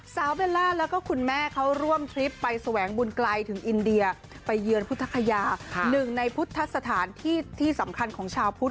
เบลล่าแล้วก็คุณแม่เขาร่วมทริปไปแสวงบุญไกลถึงอินเดียไปเยือนพุทธคยาหนึ่งในพุทธสถานที่ที่สำคัญของชาวพุทธ